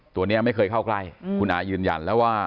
ตัวนี้ไม่เคยเข้าใกล้คุณอายืนยันแล้วว่า